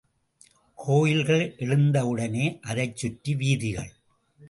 கோயில்கள் எழுந்த உடனே அதைச் சுற்றி வீதிகள்.